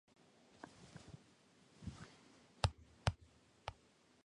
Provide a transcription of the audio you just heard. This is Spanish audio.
El contrato fracasó.